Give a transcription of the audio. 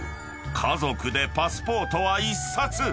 家族でパスポートは１冊］